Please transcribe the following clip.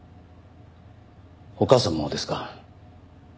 お母さんもですか？